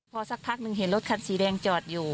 พอสักพักหนึ่งเห็นรถคันสีแดงจอดอยู่